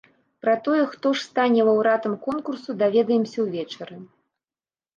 Пра тое, хто ж стане лаўрэатам конкурсу, даведаемся ўвечары.